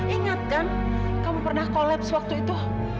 ingat kan kamu pernah kolaps waktu itu